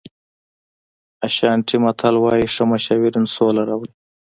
اشانټي متل وایي ښه مشاورین سوله راوړي.